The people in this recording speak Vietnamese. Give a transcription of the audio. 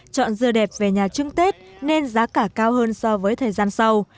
chọn dưa đẹp về nhà trưng tết nên giá cả cao hơn so với thời gian sau